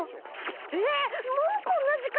えっもうこんな時間！？